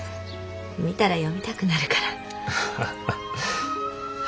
見たら読みたくなるから。